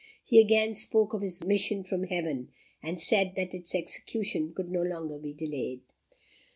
He again spoke of his mission from Heaven, and said that its execution could no longer be delayed."